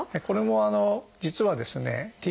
これも実はですね